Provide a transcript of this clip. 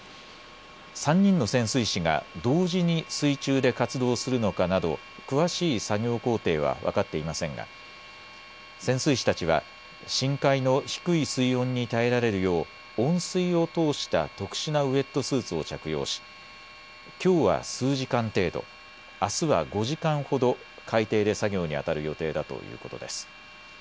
３人の潜水士が同時に水中で活動するのかなど詳しい作業工程は分かっていませんが潜水士たちは深海の低い水温に耐えられるよう温水を通した特殊なウエットスーツを着用しきょうは数時間程度、あすは５時間ほど海底で作業にあたる予定だということです。